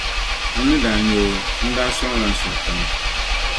N ni daa nya o, n-daa sɔŋla n suhi tiŋa.